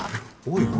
おい